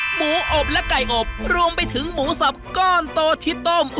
หมูอบและไก่อบรวมไปถึงหมูสับก้อนโตที่ต้ม